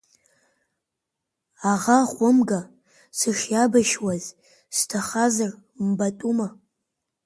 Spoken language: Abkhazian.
Аӷа хәымга сышиабашьуаз сҭахазар, мбатәума…